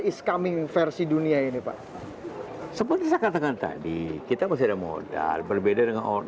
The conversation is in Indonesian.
is coming versi dunia ini pak seperti saya katakan tadi kita masih ada modal berbeda dengan orang